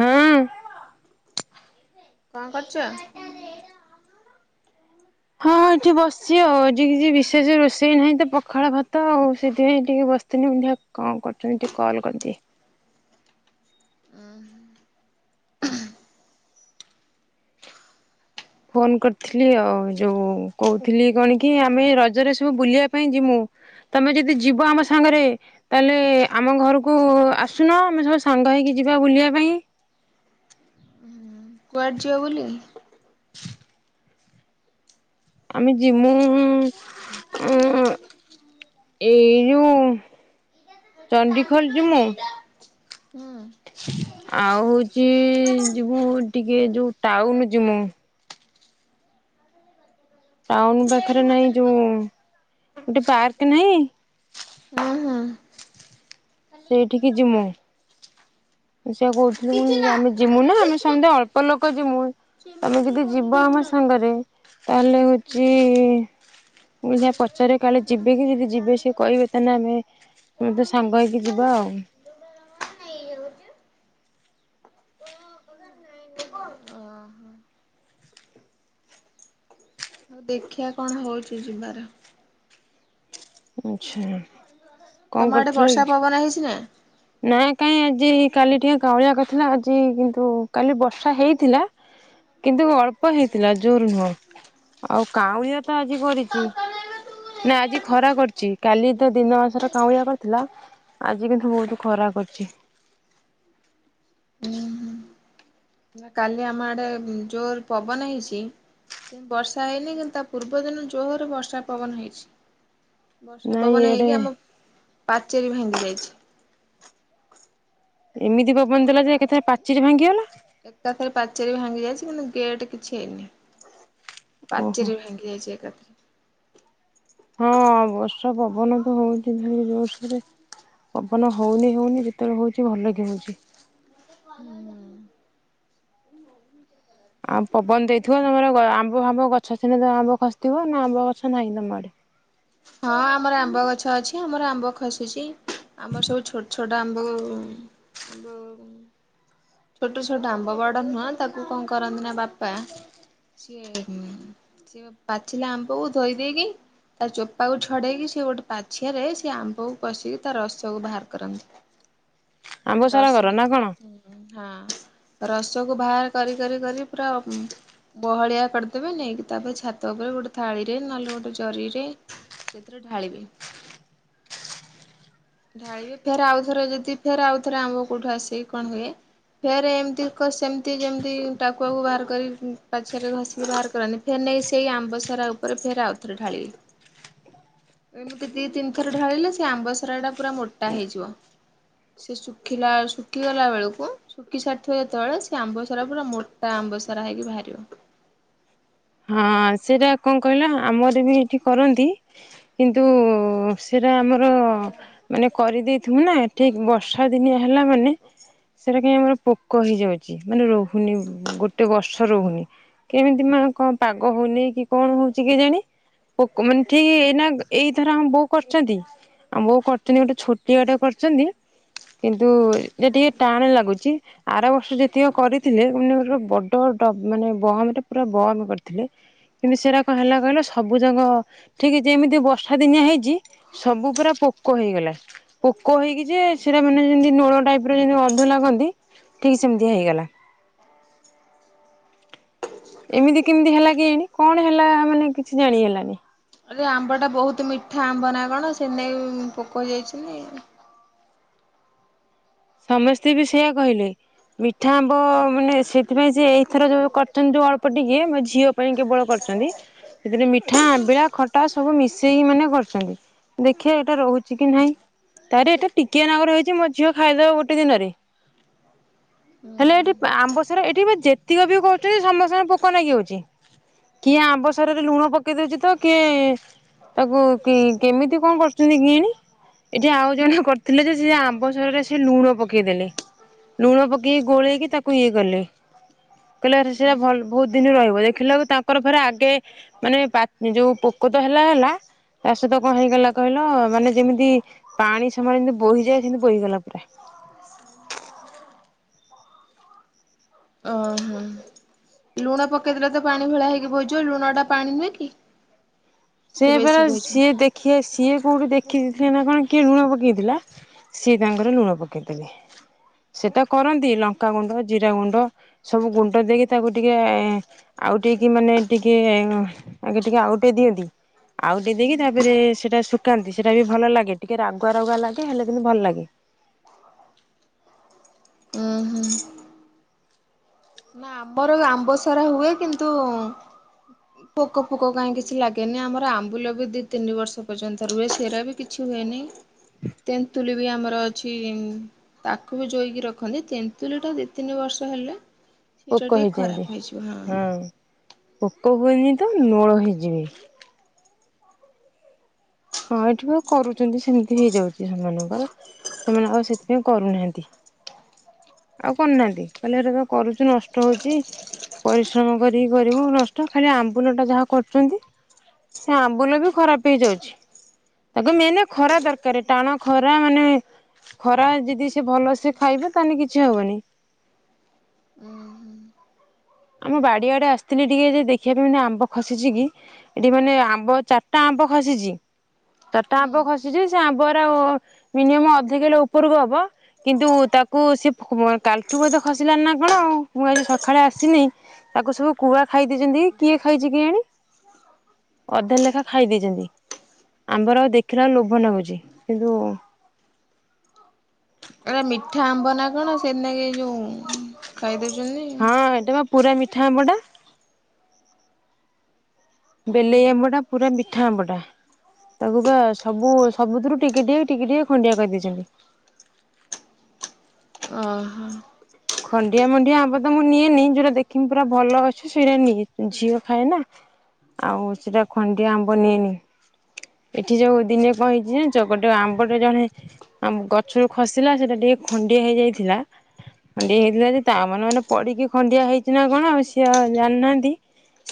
ହଁ କଣ କରୁଛ? ହଁଁ ଏଠି ବସିଛି ଆଉ ଆଜି କିଛି ବିଶେଷ ରୋଷେଇ ନାହିଁ ତ ପଖାଳ ଭାତ ଆଉ ସେଥିପାଇଁ ଟିକେ ବସି ଥିନି ମୁଁ ଦେଖିବା କଣ କରୁଛନ୍ତି ଟିକେ କଲ୍ କରିଦିଏ ଉଁ ହଁ ଫୋନ କରିଥିଲି ଆଉ ଯୋଉ କହୁଥିଲି କଣ କି ଆମେ ରଜରେ ସବୁ ବୁଲିବା ପାଇଁ ଜିମୁଁ ତମେ ଯଦି ଯିବ ଆମ ସାଙ୍ଗରେ ତାହେଲେ ଆମ ଘରକୁ ଆସୁନ ଆମେ ସବୁ ସାଙ୍ଗ ହେଇକି ଯିବା ବୁଲିବା ପାଇଁ କୁଆଡେ ଯିବ ବୁଲି ଆମେ ଯିମୁ ଉ ଉଁ ଏଇ ଯୋଉ ଚଣ୍ଡିଖୋଲ ଯିମୁୁଁ ହୁଁ। ଆଉ ହଉଛି ଯିବୁ ଟିକେ ଯୋଉ ଟାଉନ ଯିମୁଁ। ଟାଉନ ପାଖରେ ନାହିଁ ଯୋଉ ଗୋଟେ ପାର୍କ ନାହିଁ ଓହୋ। ସେଇଠିକି ଯିମୁ। ମୁଁ ସେୟା କହୁଥିଲୁ ମୁ ଆମେ ଯିମୁ ନା ଆମେ ସମସ୍ତେ ଅଳ୍ପ ଲୋକ ଯିମୁ। ତମେ ଯଦି ଯିବ ଆମ ସାଙ୍ଗରେ ତାହେଲେ ହଉଛି ମୁଁ ଯାହା ପଚାରେ କାଳେ ଯିବେ କି ଯଦି ଯିବେ ସେ କହିବେ ତାହେଲେ ଆମେ ଆମେ ତ ସାଙ୍ଗ ହେଇକି ଯିବା ଆଉ। ତୁ ପା [unintelligible] ନେଇ ଯାଉଛୁ। ହଉ ଦେଖିବା କଣ ହଉଚି ଯିବାର। ଆଛା। ତମର ଆଡ଼େ ବର୍ଷା ପବନ ହେଇଛି ନା? ନା କାଇଁ ଆଜି କାଲି ଟିକେ କାଉଁଳିଆ ହେଇଥିଲା ଆଜି କିନ୍ତୁ କାଲି ବର୍ଷା ହେଇଥିଲା କିନ୍ତୁ ଅଳ୍ପ ହେଇଥିଲା ଜୋର ନୁହଁ ଆଉ କାଉଁଳିଆ ତ ଆଜି କରିଛି। ନା ଆଜି ଖରା କରିଛି କାଲି ତ ଦିନ ସାରା କାଉଁଳିଆ କରିଥିଲା ଆଜି କିନ୍ତୁ ବହୁତ ଖରା କରିଛି। ହୁଁ, ହୁଁ ନା କାଲି ଆମ ଆଡେ ଜୋର ପବନ ହେଇଛି କିନ୍ତୁ ବର୍ଷା ହେଇନି କିନ୍ତୁ ତା ପୂର୍ବ ଦିନ ଜୋର ବର୍ଷା ପବନ ହେଇଛି। ବର୍ଷା ନାଇଁ ପବନ ଇଆଡେ ହେଇକି ଆମ ପାଚେରୀ ଭାଙ୍ଗି ଯାଇଛି। ଏମିତି ପବନ ଦେଲା ଯେ ଏକାଥରେ ପାଚେରି ଭାଙ୍ଗିଗଲା? ଏକାଥରେ ପାଚେରୀ ଭାଙ୍ଗି ଯାଇଛି କିନ୍ତୁ ଗେଟ୍ କିଛି ହେଇନି ଓହୋ ପାଚେରୀ ଭାଙ୍ଗି ଯାଇଛି ଏକାଥରେ। ହଁ ବର୍ଷା ପବନ ତ ହଉଛି ବହୁ ଜୋରସରେ। ପବନ ହଉନି ହଉନି ଯେତେବେଳେ ହଉଛି ଭଲ କି ହଉଛି। ହୁଁ ଆଉ ପବନ ଦେଇଥିବ ତମର ଆମ୍ବ ଫମ୍ବ ଗଛ ସିନେ ତ ଆମ୍ବ ଖସିଥିବ ନା ଆମ୍ବ ଗଛ ନାହିଁ ତମ ଆଡେ? ହଁ ଆମର ଆମ୍ବ ଗଛ ଅଛି, ଆମର ଆମ୍ବ ଖସିଛି। ଆମର ସବୁ ଛୋଟ ଛୋଟ ଆମ୍ବ ଆମ୍ୱ ଛୋଟ, ଛୋଟ ଆମ୍ବ ବଡ ନୁହଁ ତାକୁ କଣ କରନ୍ତି ନା ବାପା ସିଏ ଉନ୍ ସିଏ ପାଚିଲା ଆମ୍ବକୁ ଧୋଇ ଦେଇକି ତା ଚୋ ପାକୁ ଛଡ଼େଇକି ସେ ଗୋଟେ ପାଛିଆରେ ସେ ଆମ୍ବକୁ କଷିକି ତା ରସକୁ ବାହାର କରନ୍ତି। ଆମ୍ବ ତା ସାରା ରସ, କର ନା କଣ? ହୁଁ। ହଁ ରସକୁ ବାହାର କରି କରି କରି ପୁରା ବହଳିଆ କରିଦେବେ ନେଇକି ତାପରେ ଛାତ ଉପରେ ଗୋଟେ ଥାଳିରେ, ନହେଲେ ଗୋଟେ ଜରିରେ ସେଥିରେ ଢ଼ାଳିବେ। ଢ଼ାଳିବେ ଫେରେ ଆଉଥରେ ଯଦି ଫେରେ ଆଉ ଥରେ ଆମ୍ୱ କୋଉଠୁ ଆସେ କି କଣ ହୁଏ ଫେରେ ଏମିତି କ ସେମିତି ଯେମିତି ଟାକୁଆକୁ ବାହାର କରି ପାଛିଆରେ ଘଷିକି ବାହାର କରନ୍ତିି ଫେରେ ନେଇ ସେଇ ଆମ୍ବ ସରା ଉପରେ ଫେରେ ଆଉଥରେ ଢ଼ାଳିବେ। [inaudible] ଏମିତି ଦି ତିନିଥର ଢ଼ାଳିଲେ ସେ ଆମ୍ବସରା ଟା ପୁରା ମୋଟା ହେଇଯିବ। ସେ ଶୁଖିଲା ଶୁଖିଗଲା ବେଳକୁ ଶୁଖି ସାରିଥିବ ଯେତେବେଳେ ସେ ଆମ୍ବ ସରା ପୁରା ମୋ ଟା ଆମ୍ବ ସରା ହେଇକି ବାହାରିବ। ହଁ ସେଇଟା କଣ କହିଲ ଆମର ବି ଏଠି କରନ୍ତି। କିନ୍ତୁ ସେଇଟା ଆମର ମାନେ କରିଦେଇଥିମୁନା ଠିକ୍ ବ ବର୍ଷା ଦିନିଆ ହେଲା ମାନେ ସେଟା କାଇ ଆମର ପୋକ ହେଇଯାଉଛି ମାନେ ରହୁ ହୁନି ଗୋଟେ ବର୍ଷ ରହୁନି କେମିତି ମା କ ପାଗ ହଉନି କି କଣ ହଉଛି କେଜାଣି? ପୋକ ମାନେ ଠି ଏଇନା ଏଇଥର ଆମ ବୋଉ କରିଚନ୍ତି। ଆମ ବୋଉ କରଥିନି ଗୋଟେ ଛୋଟିଆଟେ କରିଚନ୍ତି। କିନ୍ତୁ ଏ ଟିକେ ଟାଣ ଲାଗୁଚି। ଆର ବର୍ଷ ଯେତିକ କରିଥିଲେ [inaudible] ବଡ ଡ ମାନେ ବମରେ ପୁରା ବମ୍ କ ଥିଲେ କିନ୍ତୁ ସେରାକ ହେଲା କହିଲ ସବୁ ଯାକ ଠିକ୍ ଯେମିତି ବର୍ଷା ଦିନିଆ ହେଇଛି। ସବୁ ପୁରା ପୋକ ହେଇଗଲା। ପୋକ ହେଇକି ଯେ ସେଟା ମାନେ ଯେମିତି ନୋଳ ଟାଇପ୍ ର ଯେମିତି ଅନ୍ଧୁ ଲାଗନ୍ତି ଠିକ୍ ସେମିତି ହେଇଗଲା। ଏମିତି କେମିତି ହେଲା କିଆଣି କଣ ହେଲା ମାନେ କିଛି ଜାଣି ହେଲାନି। ଆରେ ଆମ୍ବଟା ବହୁତ୍ ମିଠା ଆମ୍ବ ନା କଣ ସେନେଇ ପୋକ ହେଇ ଯାଇଛନ୍ତି। ସମସ୍ତେ ବି ସେୟା କହିଲେ। ମିଠା ଆମ୍ବ ମାନେ ସେଥିପାଇଁ ସେ ଏଇଥର ଯୋଉ କରିଚ ଅଳ୍ପ ଟିକେ ମୋ ଝିଅ ପାଇଁ କେବଳ କର୍ କରିଚନ୍ତି ସେଥିରେ ମିଠା ଆମ୍ବିଳା ଖଟା ସବୁ ମିଶେଇକି ମାନେ କରୁଚନ୍ତି। ଦେଖିବା ଏଇଟା ରହୁଛି କି ନାହିଁ ତାରେ ଏଇଟା ଟିକିଏ ନାଗୁରୁ ହେଇଛି ମୋ ଝିଅ ଖାଇଦବ ଗୋଟେ ଦିନରେ। ହେଲେ ଏଠି ଆମ୍ବସରା ଏଠି ବା ଯେତିକ ବି କରୁଚନ୍ତି ସମସ୍ତଙ୍କ ପୋକ ନାଗିଯାଉଛି। କିଏ ଆମ୍ବ ସାରରେ ଲୁଣ ପକେଇ ଦଉଛି ତ କିଏ? ତାକୁ କି କେମିତି କଣ କରୁଚନ୍ତି କେୟାଣି? ଏଠି ଆଉ ଜଣେ କରିଥିଲେ ଯେ ସେ ଆମ୍ବସରରେ ସେ ଲୁଣ ପକେଇଦେଲେ ଲୁଣ ପକେଇକି ଗୋଳେଇକି ତାକୁ ଇଏ କଲେ। କହିଲା ସେୟା ଭଲ ବହୁତ୍ ଦିନି ରହିବ ଦେଖିଲାକୁ ତାଙ୍କର ଫେରେ ଆଗେ ମାନେ ପାକ୍ ଯୋଉ ପୋକତ ହେଲା ହେଲା। ତା ସହିତ କଣ ହେଇଗଲା କହିଲ ମାନେ ଯେମିତି ପାଣି ସମୟରେ ଯେମିତି ବୋହିଯାଏ ସେମିତି ବୋହିଗଲା। ପୁରା। ଓ ହ। ଲୁଣ ପକେଇଦେଲେ ତ ପାଣି ଭଳିଆ ହେଇକି ବହିଜ ଲୁଣ ଟା ପାଣି ନୁହେଁ କି? ସେ ପା ବେଶୀ ବହିଯିବ। ସିଏ ଦେଖିଆ ସିଏ କୋଉଠି ଦେଖିଥିଲେ ନା କଣ କିଏ ଲୁଣ ପକେଇଥିଲା। ସିଏ ତାଙ୍କର ଲୁଣ ପକେଇଦେଲେ ସେଟା କରନ୍ତି ଲଙ୍କାଗୁଣ୍ଡ ଜିରା ଗୁଣ୍ଡ। ସବୁ ଗୁଣ୍ଡ ଦେଇକି ତାକୁ ଟିକେ ଆଉ ଟିକି ମାନେ ଟିକେ ଆଗେ ଟିକେ ଆଉଟେଇ ଦିଅନ୍ତି। ଆଉଟେଇ ଦେଇକି ତାପରେ ସେଟା ଶୁକାନ୍ତି ସେଇଟା ବି ଭଲ ଲାଗେ ଟିକେ ରାଗୁଆ ରାଗୁଆ ଲାଗେ ହେଲେ କିନ୍ତୁ ଭଲ ଲାଗେ। ଉୁଁ ହୁଁ। ନା ଆମର ଆମ୍ବସାରା ହୁଏ କିନ୍ତୁ ହ ପୋକ ଫୋକ କାହିଁ କିଛି ଲାଗେନି ଆମର ଆମ୍ବୁଲ ବି ଦି ତିନି ବର୍ଷ ପର୍ଯ୍ୟନ୍ତ ରୁହେ ସେଇରା ବି କିଛି ହୁଏନି। ତେନ୍ତୁଲି ବି ଆମର ଅଛି। ତାକୁ ବି ଜୋଇକି ରଖନ୍ତି ତେନ୍ତୁଲି ଟା ଦି ତିନି ବର୍ଷ ହେଲେ ପୋକ ସେଟା ଟିକେ ହେଇଯାଆନ୍ତି ଖରାପ ହେଇଯିବ ହଁ। ପୋକ ହୁଏନି ତ ନୋଳ ହେଇଯିବେ। ହଁ ଏଠି ବା କରୁଚନ୍ତି ସେମିତି ହେଇଯାଉଛି ସେମାନଙ୍କର। ସେମାନେ ଆଉ ସେଥିପାଇଁ କରୁନାହାନ୍ତି। ଆଉ କରୁନାହାନ୍ତି। କହେ ସେଟା ତ କରୁଛୁ ନଷ୍ଟ ହଉଛି। ପରିଶ୍ରମ କରିକି କରିବୁ ନଷ୍ଟ ଖାଲି ଆମ୍ବୁଲାଟା ଯାହା କରୁଛନ୍ତି। ହଁ ଆମ୍ବୁଲ ବି ଖରାପ ହେଇଯାଉଛି। ତାକୁ ମେନେ ଖରା ଦରକାରେ। ଟାଣ ଖରା ମାନେ ଖରା ଯଦି ସେ ଭଲ ସେ ଖାଇବେ ତାହେନେ କିଛି ହବନି। ଉୁଁ ହୁଁ। ଆମ ବାଡି଼ଆଡ଼େ ଆସିଥିଲି ଟିକେ ଯେ ଦେଖିବା ପାଇଁ ମାନେ ଆମ୍ବ ଖସିଛି କି। ଏଠି ମାନେ ଆମ୍ବ ଚାରିଟା ଆମ୍ବ ଖସିଛି। ଚାରଟା ହୁଁ। ଆମ୍ବ ଖସିଛି ସେ ଆମ୍ବର ମିନିମମ୍ ଅଧକିଲ ଉପରକୁ ହବ। କିନ୍ତୁ ତାକୁ ସେ କାଲଠୁ ବୋଧେ ଖସିଲାନି ନା କଣ? ଆଉ ମୁଁ ଆଜି ସଖାଳେ ଆସି ସ ନାଇଁ ତାକୁ ସବୁ କୁଆ ଖାଇ ଦେଇେଇଛନ୍ତି କିଏ ଖାଇଛି କେଜାଣି? ଅଧା ଲେଖା ଖାଇ ଦେଇେଛନ୍ତି। ଆମ୍ବର ଆଉ ଦେଖିଲା ଲୋଭ ଲାଗୁଛି କିନ୍ତୁ ଏ ମିଠା ଆମ୍ବ ନା କଣ ସେନା କି ଯୋଉ ଖାଇଦେଇଛନ୍ତି। ହଁ ଏଟା ବା ପୁରା ମିଠା ଆମ୍ବ ଟା। ବେଲେଇ ଆମ୍ବଟା ପୁରା ମିଠା ଆମ୍ବଟା। ତାକୁ ବା ସବୁ ସବୁଥିରୁ ଟିକେ ଟିକ ଟିକେ ଟିକେ ଖଣ୍ଡିଆ କରିଦେଇଛନ୍ତି। ଓହୋ। ଖଣ୍ଡିଆ ମଣ୍ଡିଆ ଆମ୍ବ ତ ମୁଁ ନିଏନି ଯୋଉଟା ଦେଖମି ପୁରା ଭଲ ଅଛି ସେଇଟା ନିଏ। ଝିଅ ଖାଏ ନା। ଆଉ ସେଟା ଖଣ୍ଡିଆ ଆମ୍ବ ନିଏନି। ଏଠି ଯୋଉ ଦିନେ କଣ ହେଇଛି ଜାଣିଛ? ଗୋଟେ ଆମ୍ବଟେ ଜଣେ ଆମ ଗଛରୁ ଖସିଲା ସେଇଟା ଟିକେ ଖଣ୍ଡିଆ ହେଇଯାଇଥିଲା। ଖଣ୍ଡିଆ ହେଇଥିଲା ଯେ ତା ମନେ ମନେ ପଡି଼କି ଖଣ୍ଡିଆ ହେଇଛି ନା କଣ ସିଏ ଆଉ ଜାଣିନାହାନ୍ତି।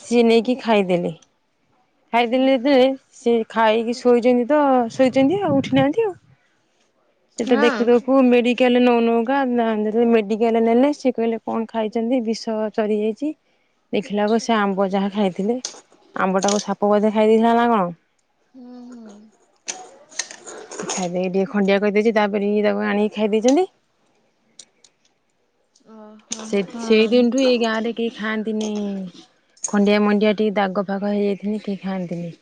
ସିଏ ନେଇକି ଖାଇଦେଲେ। ହୁଁ ଖାଇଦେଲେ ହୁଁ। ଯେ ଖାଇକି ଶୋଇଛନ୍ତି ତ ଶୋଇଛନ୍ତି ଆଉ ଉଠିନାହାନ୍ତି ଆଉ। ସେଟା ହଁ। ଦେଖୁ ଦେଖୁ ମେଡି କାଲ୍ ନଉ ନଉକା ମେଡିକାଲ ନେଲେ ସେ କହିଲେ କଣ ଖାଇଛନ୍ତି? ବିଷ ଚଡ଼ି ଯାଇଛି। ଦେଖିଲାେକୁ ସେ ଆମ୍ବ ଯାହା ଖାଇଥିଲେ। ଆମ୍ବଟାକୁ ସାପ ବୋଧେ ଖାଇ ଦେଇେଥିଲା ନା କଣ? ହୁଁ ହୁଁ। [inaudible] ସେ ଖାଇଦ ଟିକେ ଖଣ୍ଡିଆ କରିଦେଇଛି ତାପରେ ତାକୁ ଆଣିକି ଖାଇ ଦେଇଛନ୍ତି। ହ ସେ ସେଇ ଦିନଠୁ ଏଇ ଗାଁ ରେ କେହି ଖାଆନ୍ତିନି। ଖଣ୍ଡିଆ ମଣ୍ଡିଆ ଟିକେ ଦାଗ ଫାଗ ହେଇଯାଇଥିଲେ କିଏ ଖାଆନ୍ତିନି।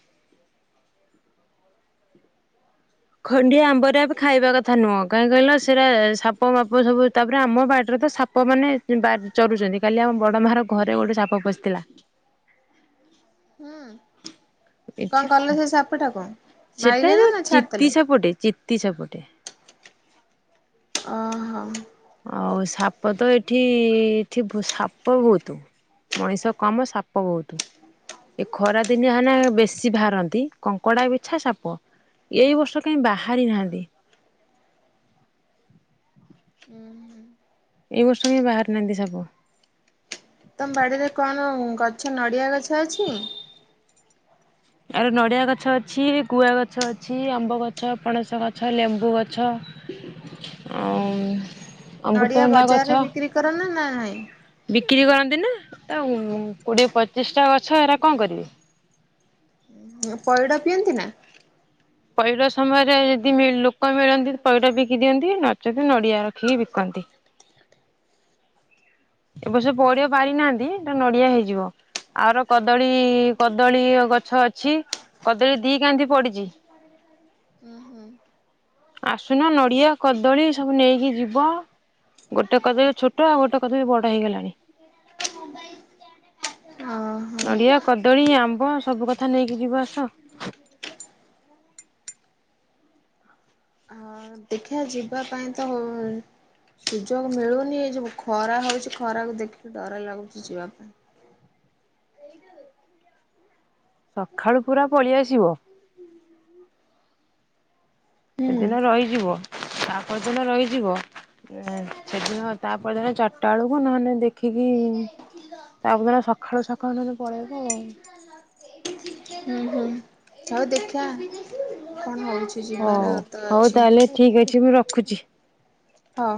ଖଣ୍ଡିଆ ଆମ୍ବରେ ଖାଇବା କଥା ନୁହଁ। କାହିଁ କହିଲା ସେଇଟା ସାପ ମାପ ସବୁ ତାପରେ ଆମ ବାଡ଼ିିରେ ତ ସାପ ସାପ ମାନେ ଚରୁୁଛନ୍ତି କାଲି ଆମ ବଡ଼ ମା ର ଘରେ ଗୋଟେ ସାପ ପଶିଥିଲା। ହୁଁ ଏଠି କଣ କଲ ସେ ସାପଟାକୁ? ମାଇଲେ ନା ନା ଛାଡିଦଲେ? ସେପଟେ ଚିତ୍ତି ସାପଟେ। ଓହୋ। ଆଉ ସାପ ତ ଏଠି, ଏଠି ସାପ ବହୁତ। ମଣିଷ କମ ସାପ ବହୁତ। ଏ ଖରା ଦିନିଆ ହେ ନା ବେଶୀ ବାହାରନ୍ତି କଙ୍କଡ଼଼ା ବିଛା ସାପ। ଏଇ ବର୍ଷ କାହିଁ ବାହାରି ନାହାନ୍ତି। ହୁଁ ହ। ଏଇ ବର୍ଷ କାଇଁ ବାହାରି ନାହାନ୍ତି ସାପ। ତମ ବାଡିରେ କଣ ଗଛ ନଡିଆ ଗଛ ଅଛି? ଆଉରି ନଡ଼ିଆ ଗଛ ଅଛି ଗୁଆ ଗଛ ଅଛି ଆମ୍ବ ଗଛ ପଣସ ଗଛ ଲେମ୍ବୁ ଗଛ। ଆଉ। ନଡ଼ିଆ ବଜାରରେ ବିକ୍ରି କର ନା ନା ନାଇଁ? ବିକ୍ରି କରନ୍ତି ନା ତା କୋଡ଼ିଏ ପଚିଶଟା ଗଛ ଏରା କଣ କରିବେ। ପଇଡ ପିଅନ୍ତି ନା? ପଇଡ ସମୟରେ ଯଦି ଲୋକ ମିଳନ୍ତି ପଇଡ ବିକି ଦିଅନ୍ତି ନଚେତ ନଡିଆ ରଖିକି ବିକନ୍ତି। ଏ ବର୍ଷ ପଇଡବି ପାରିନାହାନ୍ତି ଏଟା ନଡିଆ ହେଇଯିବ। ଆର କଦଳୀ କଦଳୀ ଗଛ ଅଛି କଦଳୀ ଦି କାନ୍ଧି ପଡିଛି। ହଁ ହୁଁ। ଆସୁନ ନଡ଼ିଆ କଦଳୀ ସବୁ ନେଇକି ଯିବ। ଗୋଟେ କଦଳି ଛୋଟ ଆଉ ଗୋଟେ କଦଳି ବଡ ହେଇଗଲାଣି। ହ ଭାଇ [inaudible] ନଡ଼ିଆ କଦଳୀ ଆମ୍ବ ସବୁ କଥା ନେଇକି ଯିବ ଆସ। ଆଉ ଦେଖିବା ଯିବା ପାଇଁ ତହୁଁ ସୁଯୋଗ ମିଳୁନି ଏ ଯଉ ଖରା ହଉଛି ଖରାକୁ ଦେଖିକି ଡର ଲାଗୁଛି ଯିବା ପାଇଁ। ସଖାଳୁ ପୁରା ପଳେଇଆସିବ। ହୁଁ। ସେଦିନ ରହିଯିବ ତାପରଦିନ ରହିଯିବ। ସେଦିନ ତାପର ଦିନ ଚାରିଟା ବେଳକୁ ନହେନେ ଦେଖିକି ହୁଁ ତାପରଦିନ ସଖାଳୁ ସଖାଳୁ ନହେଲେ ପଳେଇବ ଆଉ। ହୁଁ ହୁଁ। ହଉ ଦେଖିଆ କଣ ହଉଛି ଯିବାର ତ ଅଛି। ଠିକ୍ ଅଛି ମୁଁ ରଖୁଛି। ହଁ।